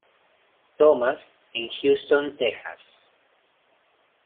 Thomas en Houston, Texas.